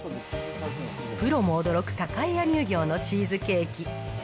プロも驚く栄屋乳業のチーズケーキ。